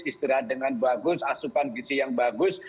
istirahat dengan bagus asupan gizi yang bagus